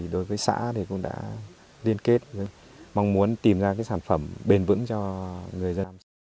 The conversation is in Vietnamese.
đối với xã thì cũng đã liên kết mong muốn tìm ra sản phẩm bền vững cho người dân